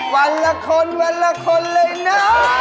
วันละคนวันละคนเลยนะ